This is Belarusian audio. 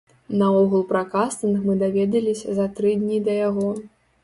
Наогул пра кастынг мы даведаліся за тры дні да яго.